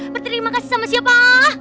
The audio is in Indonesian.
berterima kasih sama siapa